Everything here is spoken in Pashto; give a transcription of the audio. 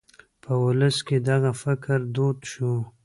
په ولس کې دغه فکر دود شو.